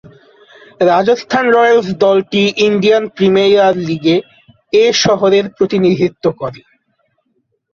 Rajasthan Royals দলটি Indian Premier লীগ-এ শহরের প্রতিনিধিত্ব করে।